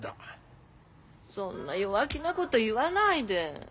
そんな弱気なこと言わないで。